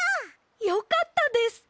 よかったです！